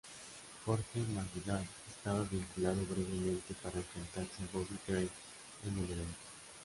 Jorge Masvidal estaba vinculado brevemente para enfrentarse a Bobby Green en el evento.